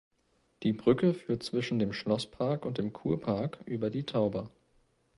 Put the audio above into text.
Die Brücke führt zwischen dem Schlosspark und dem Kurpark über die Tauber.